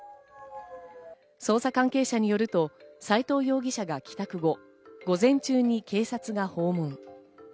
捜査関係者によると斎藤容疑者が帰宅後、午前中に警察が訪問。